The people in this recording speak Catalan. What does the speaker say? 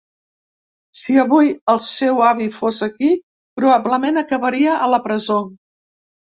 Si avui el seu avi fos aquí, probablement acabaria a la presó.